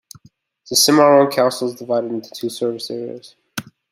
The Cimarron Council is divided into two service areas.